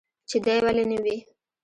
چې دى ولي نه وي.